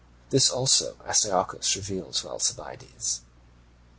This also Astyochus revealed to Alcibiades.